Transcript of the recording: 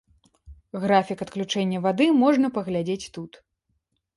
Графік адключэння вады можна паглядзець тут.